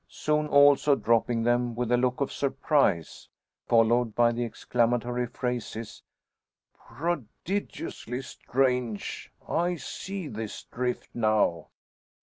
Soon also dropping them, with a look of surprise, followed by the exclamatory phrases "Prodigiously strange! I see his drift now.